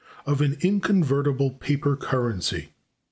Of An Inconvertible Paper Currency.